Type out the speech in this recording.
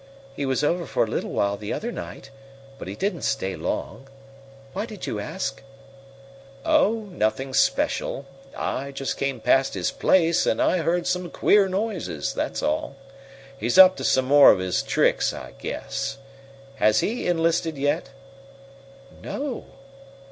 He was over for a little while the other night, but he didn't stay long. Why do you ask?" "Oh, nothing special. I just came past his place and I heard some queer noises, that's all. He's up to some more of his tricks, I guess. Has be enlisted yet?" "No.